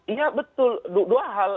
iya betul dua hal